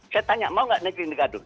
saya tanya mau nggak negeri ini gaduh